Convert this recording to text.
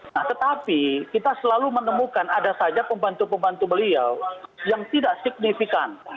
nah tetapi kita selalu menemukan ada saja pembantu pembantu beliau yang tidak signifikan